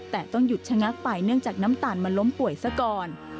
แต่ต้องหยุดชะงักไปเนื่องจากน้ำตาลมันล้มป่วยซะก่อน